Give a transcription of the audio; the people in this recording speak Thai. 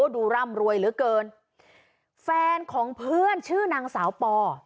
ร่ำรวยเหลือเกินแฟนของเพื่อนชื่อนางสาวปอ